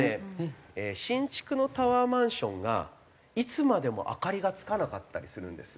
新築のタワーマンションがいつまでも明かりがつかなかったりするんです。